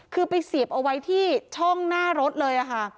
คือไปเสียบเอาไว้ที่ช่องหน้ารถเลยค่ะ